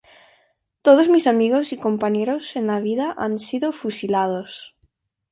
Todos mis amigos y compañeros en la vida han sido fusilados.